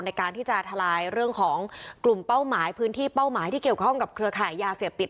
ในการที่จะทลายเรื่องของกลุ่มเป้าหมายพื้นที่เป้าหมายที่เกี่ยวข้องกับเครือขายยาเสพติด